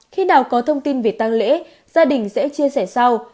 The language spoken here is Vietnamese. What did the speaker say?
khi nào có thông tin về tăng lễ gia đình sẽ chia sẻ sau